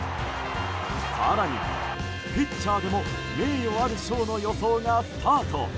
更に、ピッチャーでも名誉ある賞の予想がスタート。